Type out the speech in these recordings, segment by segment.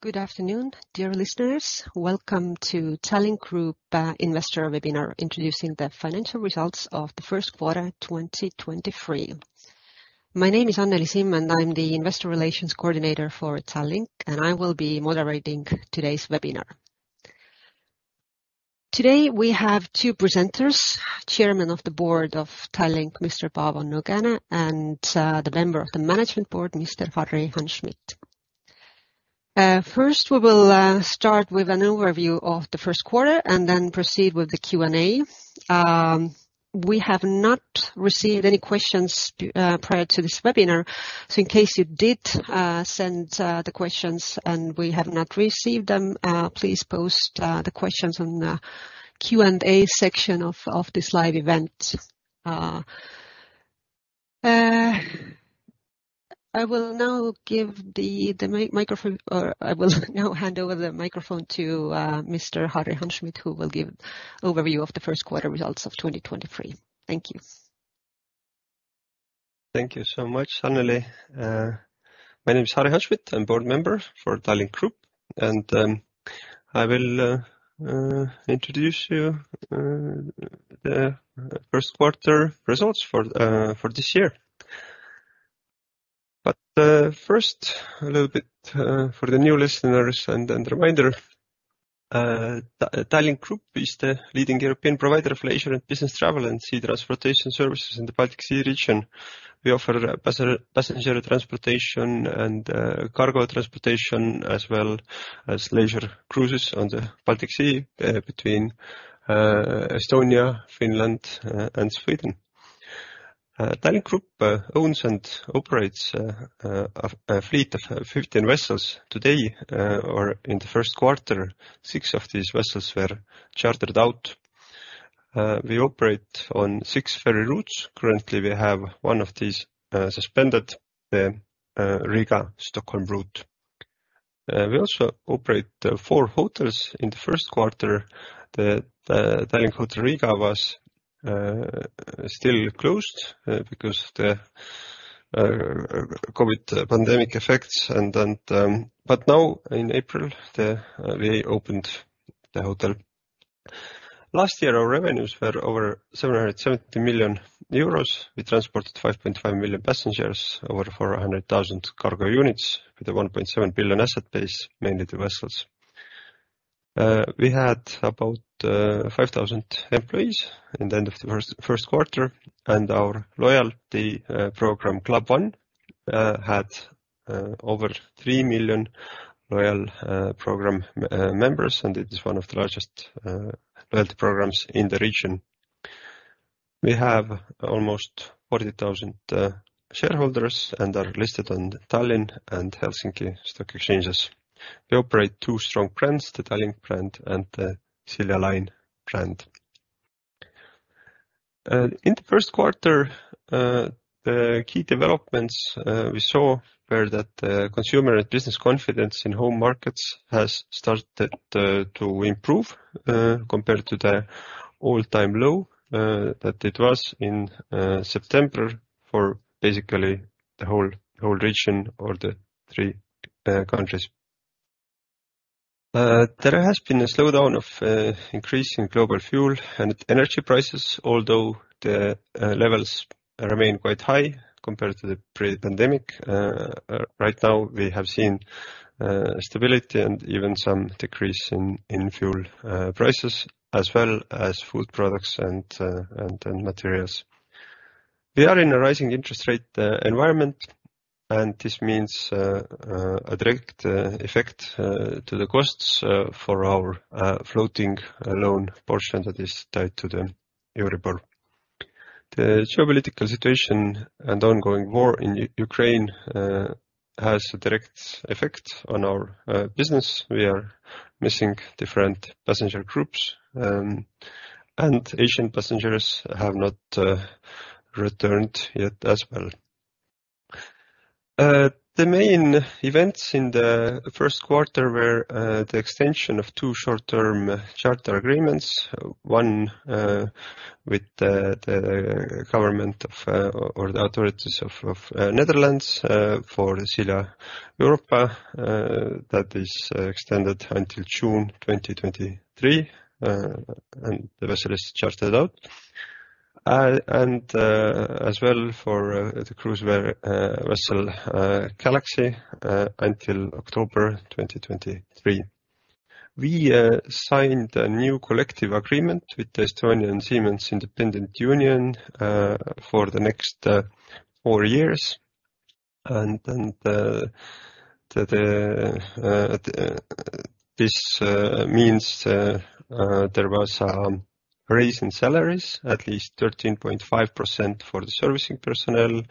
Good afternoon, dear listeners. Welcome to Tallink Grupp Investor Webinar, introducing the financial results of the first quarter, 2023. My name is Anneli Simm, and I'm the Investor Relations Coordinator for Tallink, and I will be moderating today's webinar. Today, we have two presenters, Chairman of the Board of Tallink, Mr. Paavo Nõgene, and the Member of the Management Board, Mr. Harri Hanschmidt. First we will start with an overview of the first quarter and then proceed with the Q&A. We have not received any questions prior to this webinar, so in case you did send the questions and we have not received them, please post the questions on the Q&A section of this live event. I will now give the microphone, or I will now hand over the microphone to Mr. Harri Hanschmidt, who will give overview of the first quarter results of 2023. Thank you. Thank you so much, Anneli. My name is Harri Hanschmidt. I'm board member for Tallink Grupp, and I will introduce you the first quarter results for this year. First, a little bit for the new listeners and reminder, Tallink Grupp is the leading European provider of leisure and business travel and sea transportation services in the Baltic Sea region. We offer passenger transportation and cargo transportation as well as leisure cruises on the Baltic Sea, between Estonia, Finland, and Sweden. Tallink Grupp owns and operates a fleet of 15 vessels. Today, or in the first quarter, six of these vessels were chartered out. We operate on six ferry routes. Currently, we have one of these suspended, the Riga-Stockholm route. We also operate four hotels. In the first quarter, the Tallink Hotel Riga was still closed because the COVID pandemic effects. Now in April, we opened the hotel. Last year, our revenues were over 770 million euros. We transported 5.5 million passengers, over 400,000 cargo units with a 1.7 billion asset base, mainly the vessels. We had about 5,000 employees in the end of the first quarter, and our loyalty program, Club One, had over 3 million loyal program members, and it is one of the largest loyalty programs in the region. We have almost 40,000 shareholders and are listed on the Tallinn and Helsinki stock exchanges. We operate two strong brands, the Tallink brand and the Silja Line brand. In the first quarter, the key developments we saw were that consumer and business confidence in home markets has started to improve compared to the all-time low that it was in September for basically the whole region or the three countries. There has been a slowdown of increase in global fuel and energy prices, although the levels remain quite high compared to the pre-pandemic. Right now we have seen stability and even some decrease in fuel prices as well as food products and materials. We are in a rising interest rate environment. This means a direct effect to the costs for our floating loan portion that is tied to the Euribor. The geopolitical situation and ongoing war in Ukraine has a direct effect on our business. We are missing different passenger groups, and Asian passengers have not returned yet as well. The main events in the first quarter were the extension of two short-term charter agreements. One with the government of or the authorities of Netherlands for the Silja Europa. That is extended until June 2023, and the vessel is chartered out. As well for the cruise vessel Galaxy until October 2023. We signed a new collective agreement with the Estonian Seamen's Independent Union for the next 4 years. This means there was a raise in salaries, at least 13.5% for the servicing personnel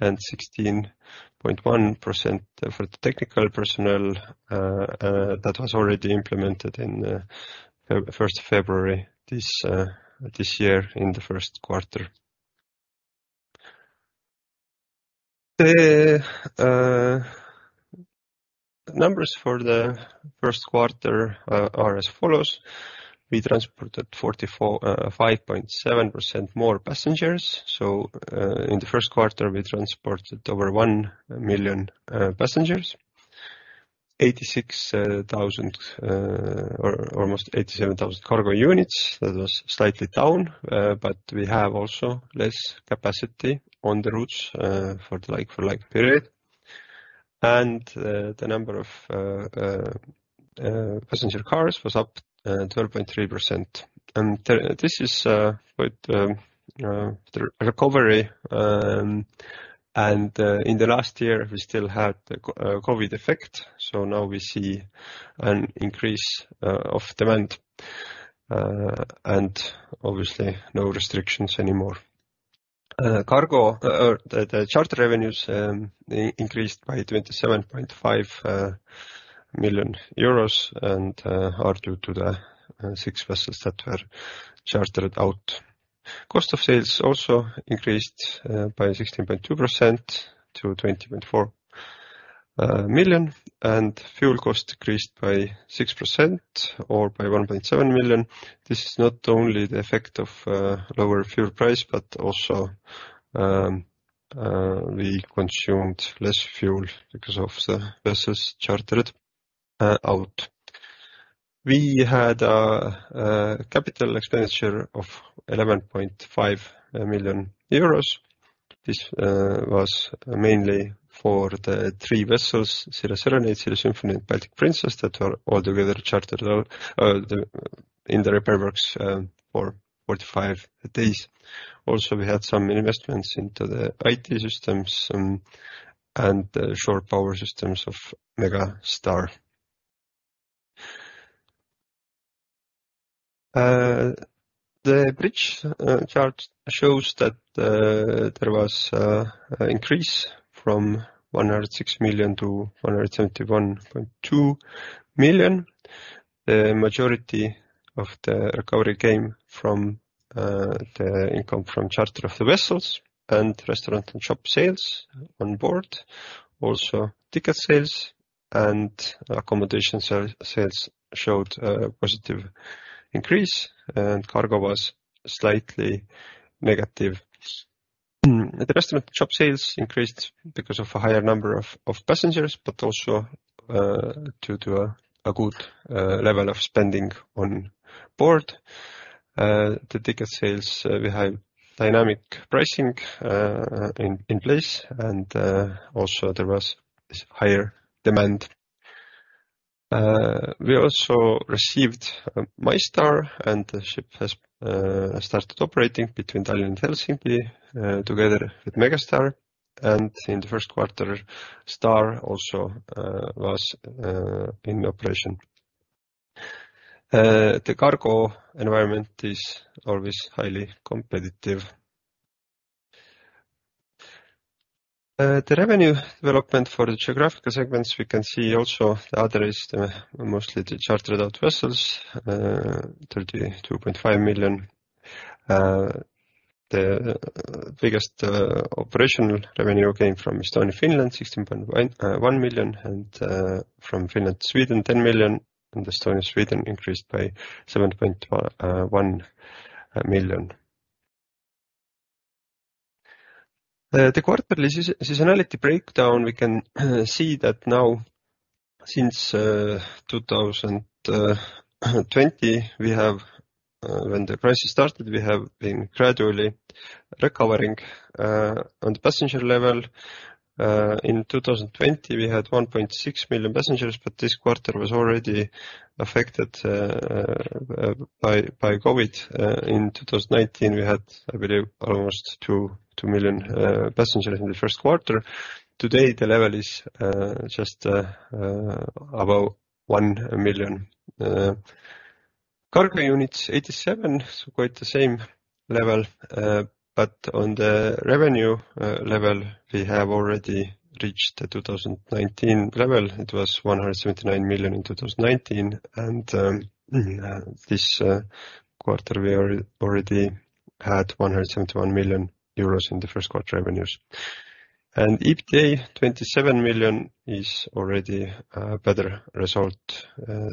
and 16.1% for the technical personnel. That was already implemented in 1st February this year in the first quarter. The numbers for the first quarter are as follows: We transported 44.5% more passengers. In the first quarter, we transported over 1 million passengers. 86,000 or almost 87,000 cargo units. That was slightly down, but we have also less capacity on the routes for the like, for like period. The number of passenger cars was up 12.3%. This is with the recovery, and in the last year, we still had the COVID effect. Now we see an increase of demand and obviously no restrictions anymore. Cargo or the charter revenues increased by 27.5 million euros and are due to the six vessels that were chartered out. Cost of sales also increased by 16.2% to 20.4 million, and fuel cost increased by 6% or by 1.7 million. This is not only the effect of lower fuel price, but also we consumed less fuel because of the vessels chartered out. We had a capital expenditure of 11.5 million euros. This was mainly for the three vessels, Silja Serenade, Silja Symphony, and Baltic Princess, that were all together chartered out in the repair works for 45 days. Also, we had some investments into the IT systems and the shore power systems of Megastar. The bridge chart shows that there was an increase from 106 million to 171.2 million. The majority of the recovery came from the income from charter of the vessels and restaurant and shop sales on board. Also, ticket sales and accommodation sales showed a positive increase, and cargo was slightly negative. The restaurant shop sales increased because of a higher number of passengers, but also due to a good level of spending on board. The ticket sales, we have dynamic pricing in place, also there was this higher demand. We also received MyStar, the ship has started operating between Tallinn and Helsinki together with Megastar. In the first quarter, Star also was in operation. The cargo environment is always highly competitive. The revenue development for the geographical segments, we can see also the other is mostly the chartered out vessels, 32.5 million. The biggest operational revenue came from Estonia-Finland, 16.1 million, from Finland-Sweden, 10 million, Estonia-Sweden increased by 7.1 million. The quarterly seasonality breakdown, we can see that now since 2020, when the crisis started, we have been gradually recovering on the passenger level. In 2020, we had 1.6 million passengers, but this quarter was already affected by COVID. In 2019, we had, I believe, almost 2 million passengers in the first quarter. Today, the level is just about 1 million cargo units, 87, so quite the same level. On the revenue level, we have already reached the 2019 level. It was 179 million in 2019. This quarter, we already had 171 million euros in the first quarter revenues. EBITDA, 27 million is already a better result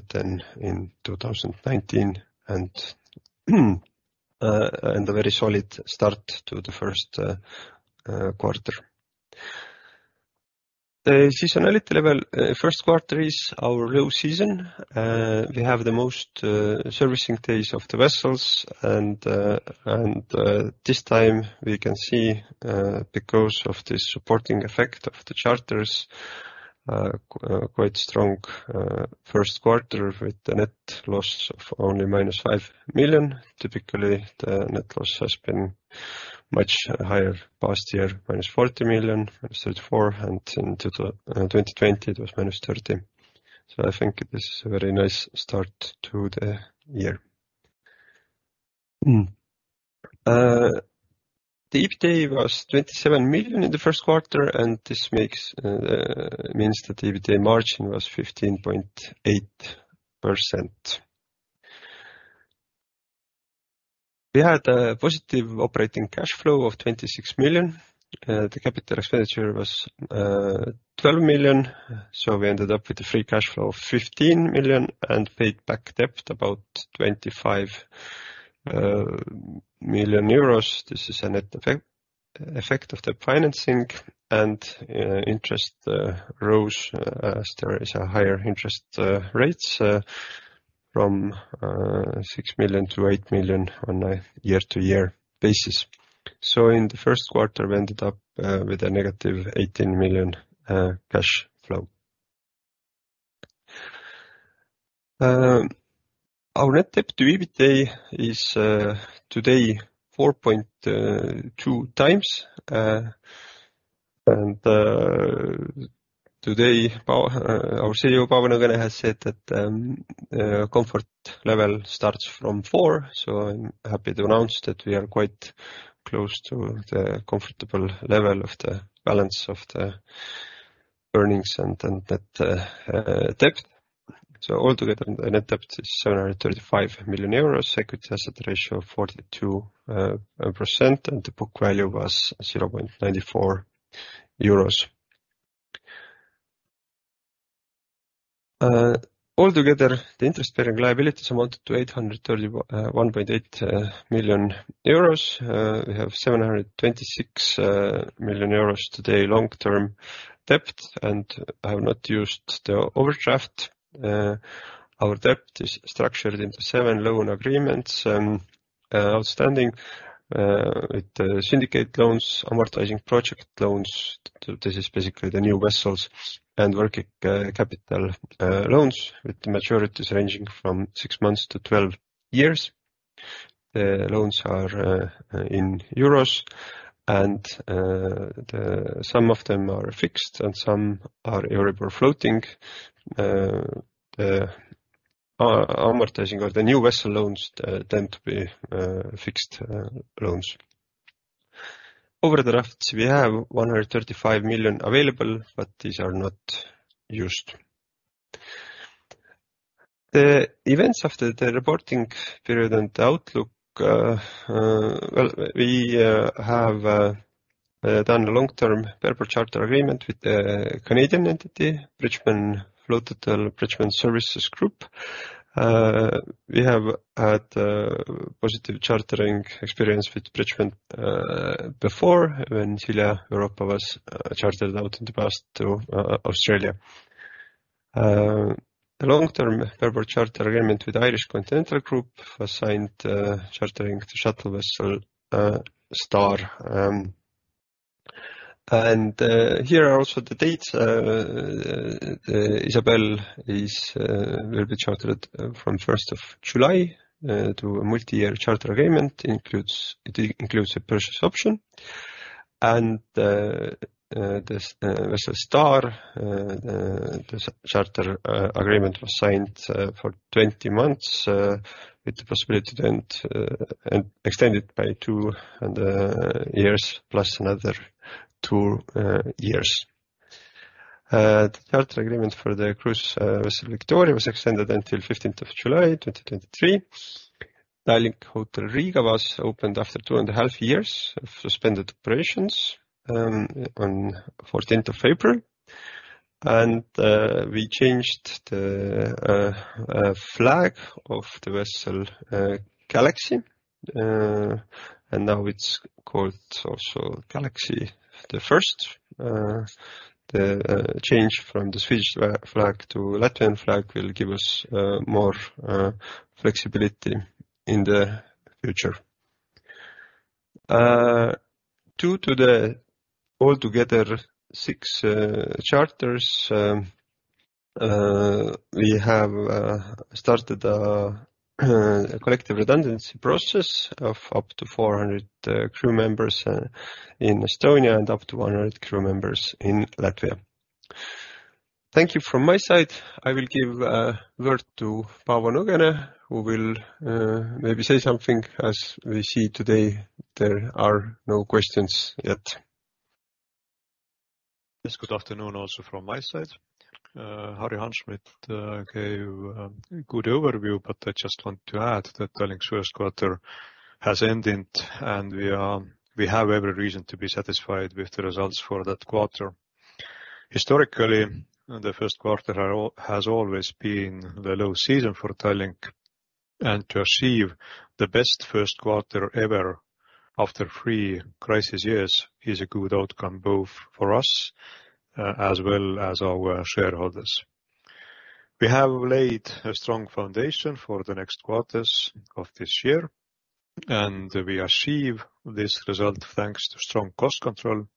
than in 2019 and a very solid start to the first quarter. The seasonality level, first quarter is our low season. We have the most servicing days of the vessels. This time we can see because of the supporting effect of the charters, quite strong first quarter with the net loss of only -5 million. Typically, the net loss has been much higher the past year, -40 million, -34 million, and in 2020, it was -30 million. I think it is a very nice start to the year. The EBITDA was 27 million in the first quarter, and this means the EBITDA margin was 15.8%. We had a positive operating cash flow of 26 million. The CapEx was 12 million, so we ended up with a free cash flow of 15 million and paid back debt about 25 million euros. This is a net effect of the financing and interest rose as there is a higher interest rates from 6 million to 8 million on a year-to-year basis. In the first quarter, we ended up with a negative 18 million cash flow. Our net debt to EBITDA is today 4.2x. Today, our CEO, Paavo Nõgene, has said that comfort level starts from 4x. I'm happy to announce that we are quite close to the comfortable level of the balance of the earnings and that debt. Altogether, the net debt is 735 million euros. Equity asset ratio 42%, and the book value was 0.94 euros. Altogether, the interest-bearing liabilities amounted to 831.8 million euros. We have 726 million euros today long-term debt, and have not used the overdraft. Our debt is structured into seven loan agreements and outstanding with the syndicated loans, amortizing project loans. This is basically the new vessels and working capital loans with maturities ranging from 6 months to 12 years. The loans are in euros and some of them are fixed and some are variable floating. Amortizing or the new vessel loans tend to be fixed loans. Overdrafts, we have 135 million available. These are not used. The events after the reporting period and outlook, we have done a long-term purpose charter agreement with the Canadian entity, Bridgemans Services Group. We have had positive chartering experience with Bridgemans before when Silja Europa was chartered out in the past to Australia. The long-term purpose charter agreement with Irish Continental Group was signed, chartering to shuttle vessel, Star. Here are also the dates. Isabelle is will be chartered from 1st of July to a multi-year charter agreement. It includes a purchase option. This vessel Star, the charter agreement was signed for 20 months with the possibility to extended by 2 years, plus another 2 years. The charter agreement for the cruise vessel Victoria was extended until 15th of July, 2023. Tallink Hotel Riga was opened after 2.5 years of suspended operations on 14th of February. We changed the flag of the vessel Galaxy. And now it's called also Galaxy I. The change from the Swedish flag to Latvian flag will give us more flexibility in the future. Due to the altogether six charters, we have started a collective redundancy process of up to 400 crew members in Estonia and up to 100 crew members in Latvia. Thank you from my side. I will give word to Paavo Nõgene, who will maybe say something, as we see today there are no questions yet. Yes, good afternoon also from my side. Harri Hanschmidt gave a good overview, but I just want to add that Tallink's first quarter has ended, and we have every reason to be satisfied with the results for that quarter. Historically, the first quarter has always been the low season for Tallink. To achieve the best first quarter ever after three crisis years is a good outcome both for us, as well as our shareholders. We have laid a strong foundation for the next quarters of this year. We achieve this result thanks to strong cost control,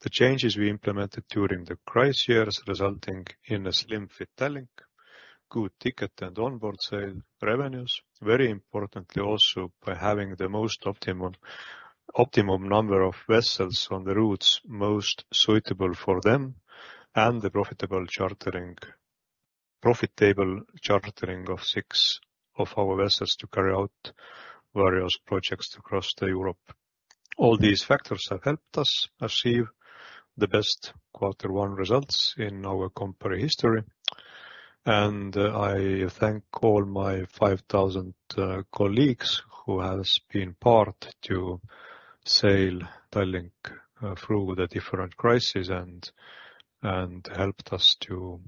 the changes we implemented during the crisis years resulting in a slim fit Tallink, good ticket and onboard sale revenues, very importantly also by having the most optimum number of vessels on the routes most suitable for them, and the profitable chartering of six of our vessels to carry out various projects across Europe. All these factors have helped us achieve the best quarter one results in our company history. I thank all my 5,000 colleagues who has been part to sail Tallink through the different crisis and helped us to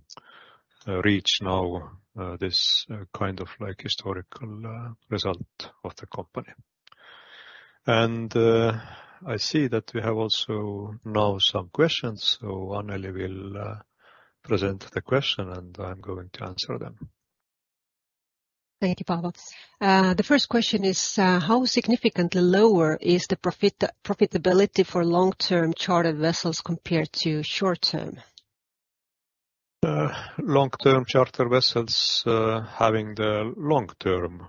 reach now this kind of historical result of the company. I see that we have also now some questions. Anneli will present the question, and I'm going to answer them. Thank you, Paavo. The first question is, how significantly lower is the profitability for long-term charter vessels compared to short-term? Long-term charter vessels, having the long-term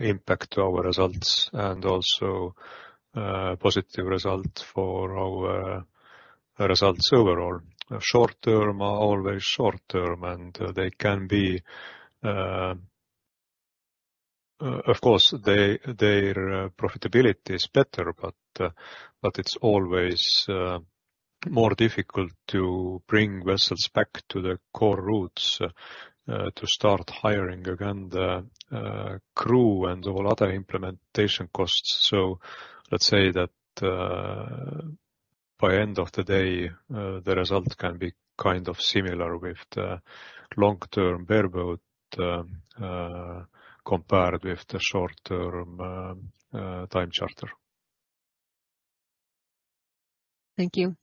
impact to our results and also positive result for our results overall. Short-term are always short-term. They can be, of course, their profitability is better, but it's always more difficult to bring vessels back to their core routes, to start hiring again the crew and all other implementation costs. Let's say that by end of the day, the result can be kind of similar with the long-term bareboat, compared with the short-term time charter. Thank you.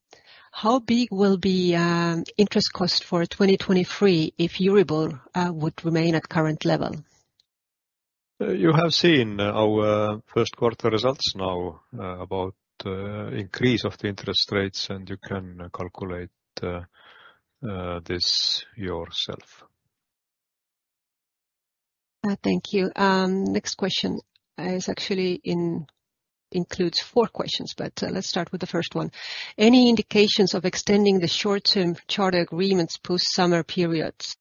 How big will be interest cost for 2023 if Euribor would remain at current level? You have seen our first quarter results now about increase of the interest rates. You can calculate this yourself. Thank you. Next question is actually includes four questions, but let's start with the first one. Any indications of extending the short-term charter agreements post-summer periods?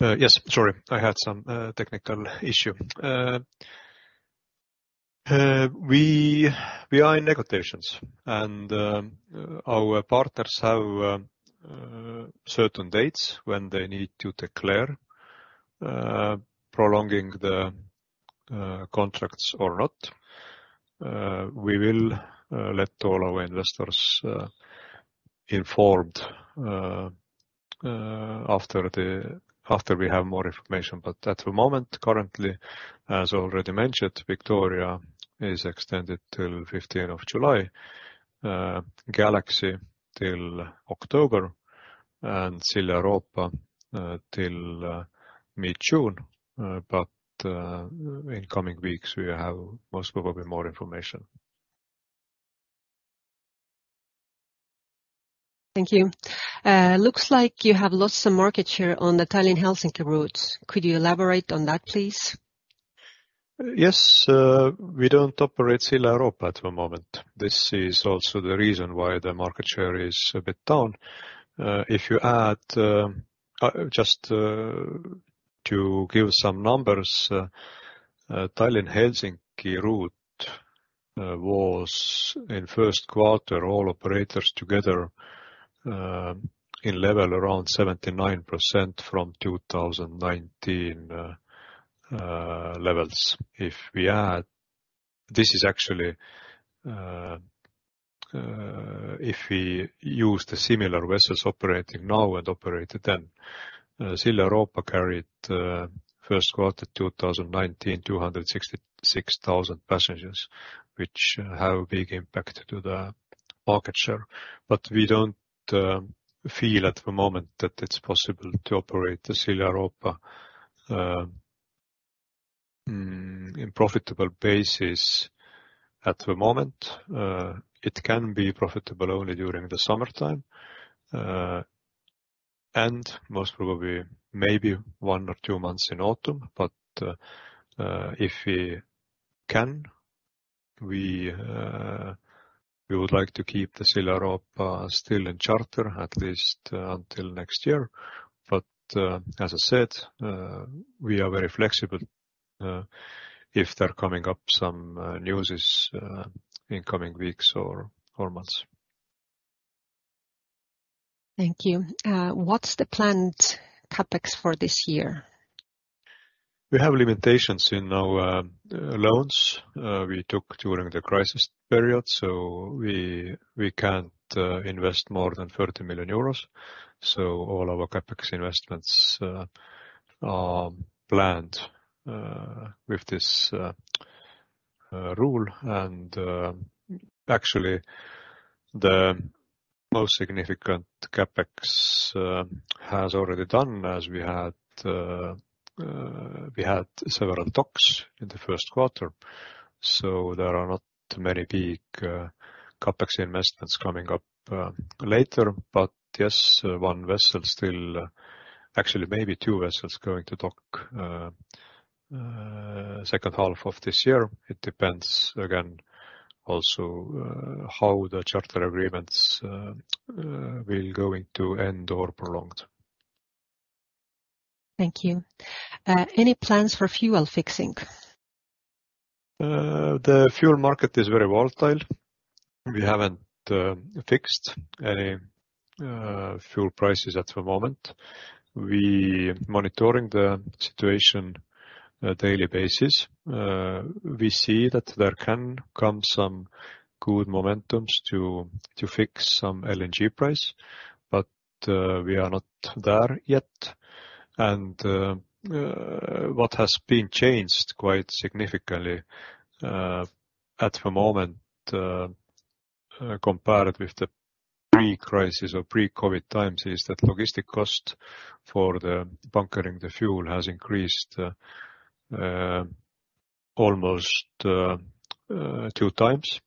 Yes. Sorry, I had some technical issue. We are in negotiations, and our partners have certain dates when they need to declare prolonging the contracts or not. We will let all our investors informed after we have more information. At the moment, currently, as already mentioned, Victoria is extended till 15th of July, Galaxy till October, and Silja Europa till mid-June. In coming weeks, we have most probably more information. Thank you. Looks like you have lost some market share on the Tallinn-Helsinki routes. Could you elaborate on that, please? Yes. We don't operate Silja Europa at the moment. This is also the reason why the market share is a bit down. If you add, just to give some numbers, Tallinn-Helsinki route was in first quarter, all operators together, in level around 79% from 2019 levels. This is actually, if we use the similar vessels operating now and operated then, Silja Europa carried first quarter 2019, 266,000 passengers, which have a big impact to the market share. We don't feel at the moment that it's possible to operate the Silja Europa in profitable basis at the moment. It can be profitable only during the summertime, and most probably maybe 1 or 2 months in autumn. If we can, we would like to keep the Silja Europa still in charter at least until next year. As I said, we are very flexible, if they're coming up some news is in coming weeks or months. Thank you. What's the planned CapEx for this year? We have limitations in our loans we took during the crisis period, we can't invest more than 30 million euros. All our CapEx investments are planned with this rule. Actually, the most significant CapEx has already done as we had several docks in the first quarter. There are not many big CapEx investments coming up later. Yes, actually maybe two vessels going to dock second half of this year, it depends again also how the charter agreements will going to end or prolonged. Thank you. Any plans for fuel fixing? The fuel market is very volatile. We haven't fixed any fuel prices at the moment. We monitoring the situation a daily basis. We see that there can come some good momentums to fix some LNG price, but we are not there yet. What has been changed quite significantly at the moment compared with the pre-crisis or pre-COVID times is that logistic cost for the bunkering the fuel has increased almost 2x.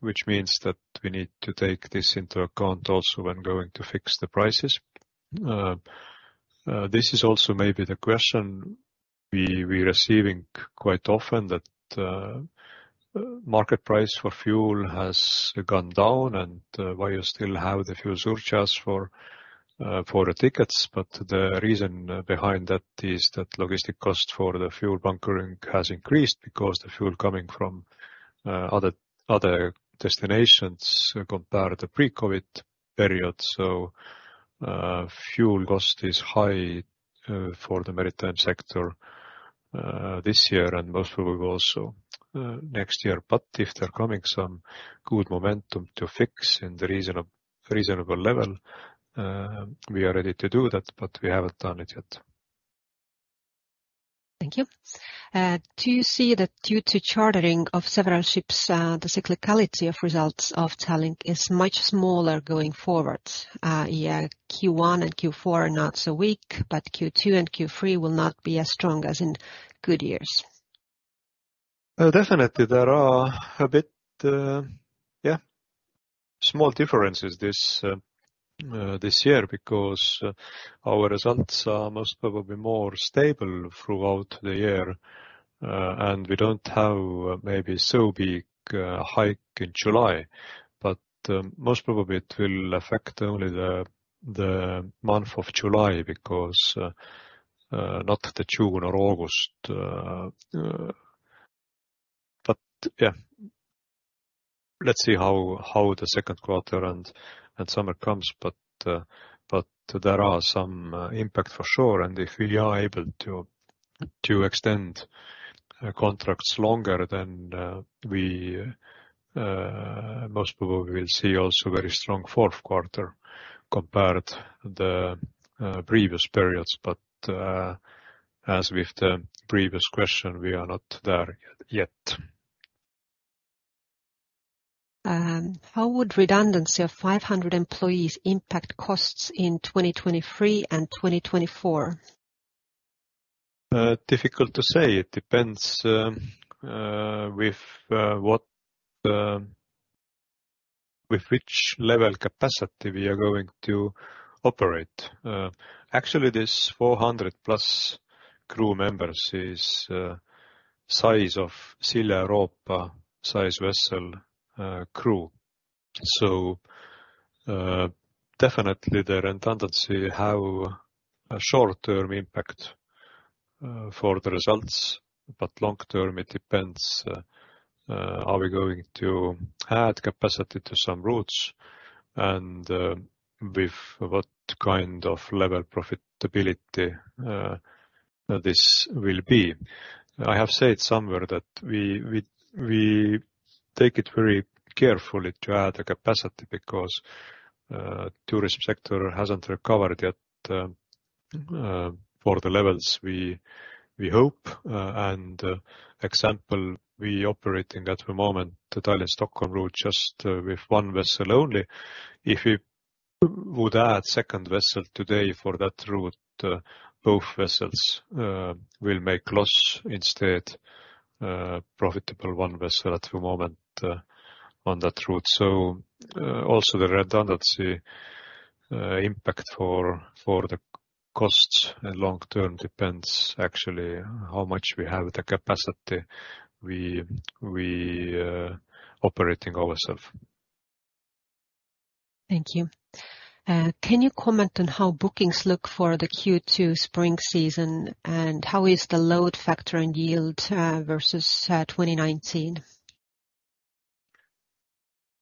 Which means that we need to take this into account also when going to fix the prices. This is also maybe the question we're receiving quite often that market price for fuel has gone down and why you still have the fuel surcharge for the tickets. The reason behind that is that logistic cost for the fuel bunkering has increased because the fuel coming from other destinations compared to pre-COVID period. Fuel cost is high for the maritime sector this year and most probably also next year. If they're coming some good momentum to fix in the reasonable level, we are ready to do that, but we haven't done it yet. Thank you. Do you see that due to chartering of several ships, the cyclicality of results of Tallink is much smaller going forward, Q1 and Q4 are not so weak, but Q2 and Q3 will not be as strong as in good years? Definitely there are a bit small differences this year because our results are most probably more stable throughout the year. We don't have maybe so big hike in July, but most probably it will affect only the month of July because not the June or August. Let's see how the second quarter and summer comes. There are some impact for sure. If we are able to extend contracts longer then we most probably will see also very strong fourth quarter compared the previous periods. As with the previous question, we are not there yet. How would redundancy of 500 employees impact costs in 2023 and 2024? Difficult to say. It depends with which level capacity we are going to operate. Actually this 400 plus crew members is size of Silja Europa size vessel crew. Definitely the redundancy have a short-term impact for the results. Long term, it depends, are we going to add capacity to some routes and with what kind of level profitability this will be. I have said somewhere that we take it very carefully to add the capacity because tourism sector hasn't recovered yet for the levels we hope. Example, we operating at the moment the Tallinn-Stockholm route just with one vessel only. If you would add second vessel today for that route, both vessels will make loss instead profitable one vessel at the moment on that route. Also the redundancy impact for the costs long-term depends actually how much we have the capacity we operating ourself. Thank you. Can you comment on how bookings look for the Q2 spring season, how is the load factor and yield versus 2019?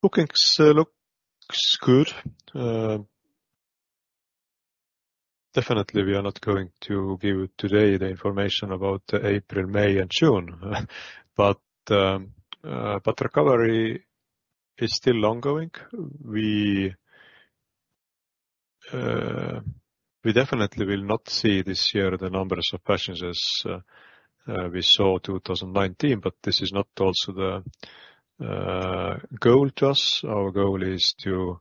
Bookings look good. Definitely we are not going to give today the information about April, May, and June. Recovery is still ongoing. We definitely will not see this year the numbers of passengers we saw 2019, this is not also the goal to us. Our goal is to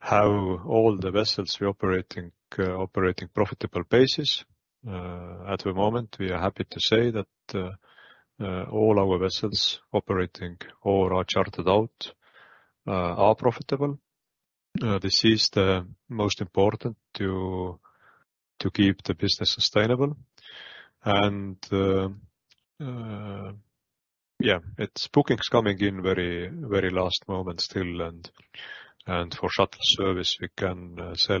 have all the vessels we operating operating profitable basis. At the moment, we are happy to say that all our vessels operating or are chartered out are profitable. This is the most important to keep the business sustainable. It's bookings coming in very, very last moment still and for shuttle service, we can sell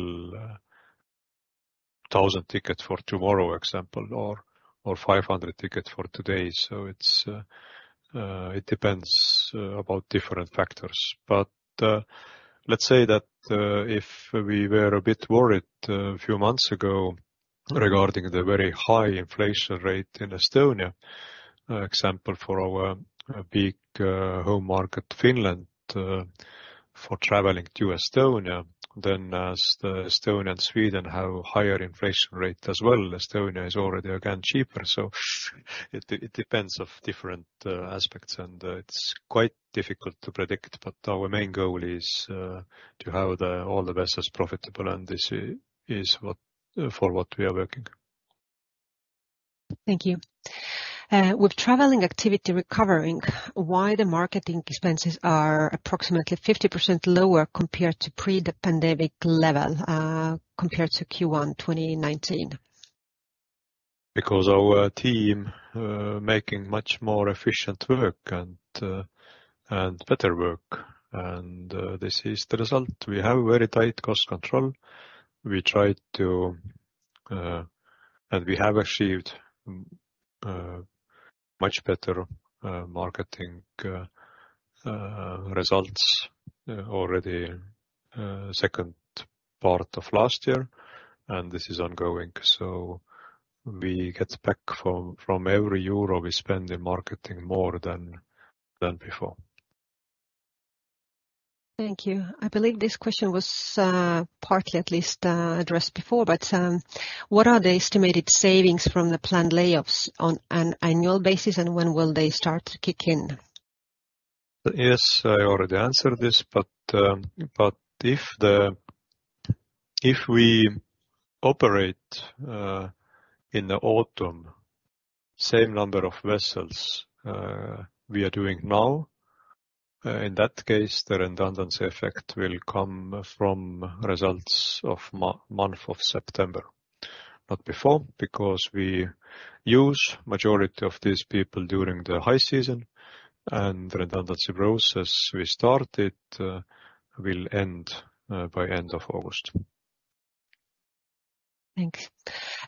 1,000 tickets for tomorrow example or 500 ticket for today. It depends about different factors. Let's say that, if we were a bit worried a few months ago regarding the very high inflation rate in Estonia, example for our big home market, Finland, for traveling to Estonia then as Estonia and Sweden have higher inflation rate as well. Estonia is already again cheaper. It, it depends of different aspects, and it's quite difficult to predict. Our main goal is to have the all the vessels profitable, and this is for what we are working. Thank you. With traveling activity recovering, why the marketing expenses are approximately 50% lower compared to pre-pandemic level, compared to Q1 2019? Our team making much more efficient work and better work. This is the result. We have very tight cost control. We have achieved much better marketing results already second part of last year, and this is ongoing. We get back from every euro we spend in marketing more than before. Thank you. I believe this question was, partly at least, addressed before, but, what are the estimated savings from the planned layoffs on an annual basis, and when will they start to kick in? I already answered this. If we operate in the autumn same number of vessels we are doing now, in that case, the redundancy effect will come from results of month of September, not before, because we use majority of these people during the high season. Redundancy process we started will end by end of August. Thanks.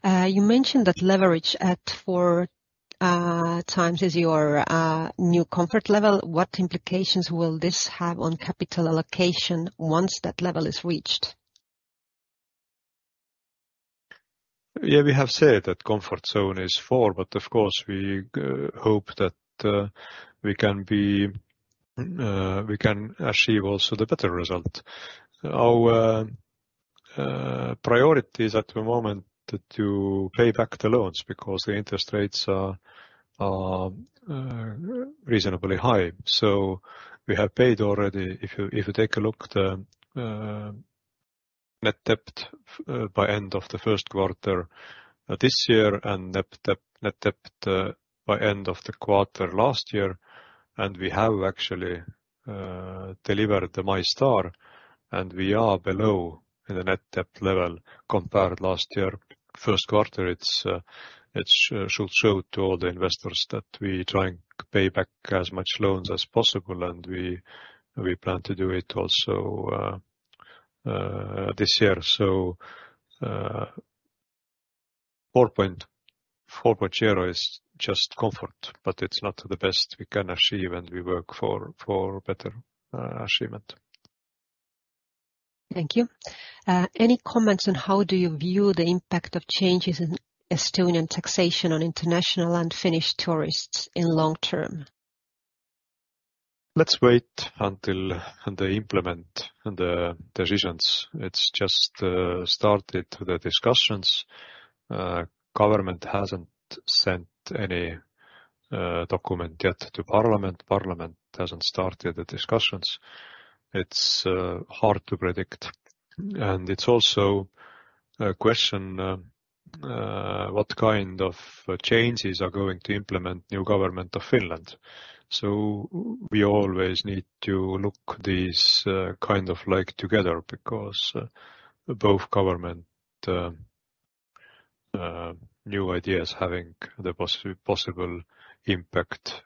You mentioned that leverage at 4x is your new comfort level. What implications will this have on capital allocation once that level is reached? We have said that comfort zone is four, of course, we hope that we can be, we can achieve also the better result. Our priorities at the moment to pay back the loans because the interest rates are reasonably high. We have paid already. If you take a look the net debt by end of the first quarter this year and net debt by end of the quarter last year, we have actually delivered the MyStar, and we are below in the net debt level compared last year, first quarter. It should show to all the investors that we try and pay back as much loans as possible, we plan to do it also this year. 4.0x is just comfort, but it's not the best we can achieve, and we work for better achievement. Thank you. Any comments on how do you view the impact of changes in Estonian taxation on international and Finnish tourists in long term? Let's wait until they implement the decisions. It's just started the discussions. Government hasn't sent any document yet to parliament. Parliament hasn't started the discussions. It's hard to predict. It's also a question what kind of changes are going to implement new government of Finland. We always need to look this kind of like together because both government new ideas having the possible impact,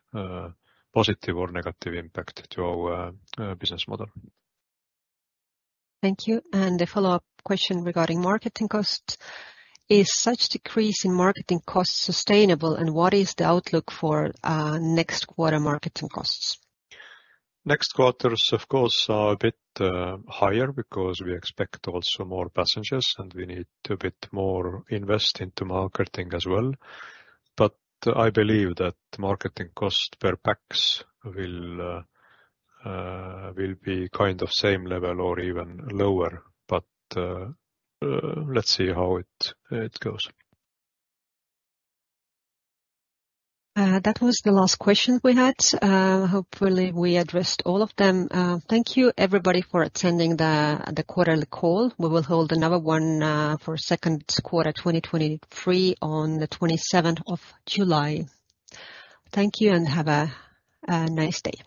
positive or negative impact to our business model. Thank you. A follow-up question regarding marketing cost. Is such decrease in marketing costs sustainable, and what is the outlook for next quarter marketing costs? Next quarters, of course, are a bit higher because we expect also more passengers, and we need a bit more invest into marketing as well. I believe that marketing cost per pax will be kind of same level or even lower. Let's see how it goes. That was the last question we had. Hopefully, we addressed all of them. Thank you, everybody, for attending the quarterly call. We will hold another one for second quarter 2023 on the 27th of July. Thank you, and have a nice day.